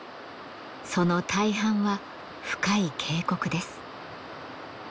その大半は深い渓谷です。